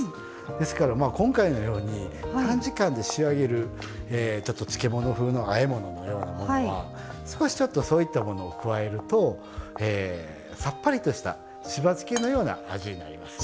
ですから今回のように短時間で仕上げるちょっと漬物風のあえ物のようなものは少しちょっとそういったものを加えるとさっぱりとしたしば漬けのような味になりますね。